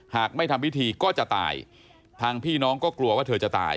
หากไม่ทำพิธีก็จะตายทางพี่น้องก็กลัวว่าเธอจะตาย